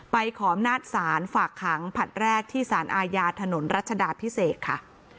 ขออำนาจศาลฝากขังผลัดแรกที่สารอาญาถนนรัชดาพิเศษค่ะ